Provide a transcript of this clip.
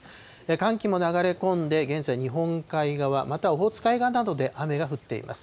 寒気も流れ込んで、現在、日本海側、またオホーツク海側などで雨が降っています。